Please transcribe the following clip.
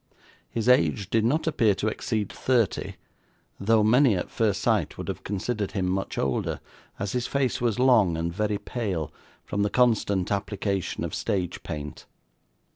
His age did not appear to exceed thirty, though many at first sight would have considered him much older, as his face was long, and very pale, from the constant application of stage paint.